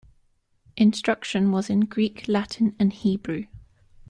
Instruction was in Greek, Latin, and Hebrew.